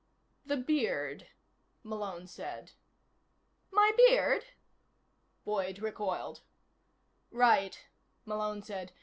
"The beard," Malone said. "My beard?" Boyd recoiled. "Right," Malone said.